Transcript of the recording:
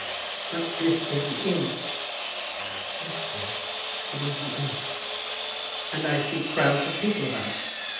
"But this is the Inn?" "Yes, dear, it is the Inn." "And I see crowds of people about."